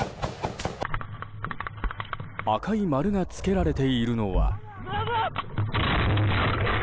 赤い丸がつけられているのは。